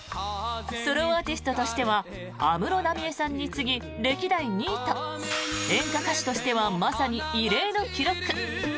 ソロアーティストとしては安室奈美恵さんに次ぎ歴代２位と、演歌歌手としてはまさに異例の記録。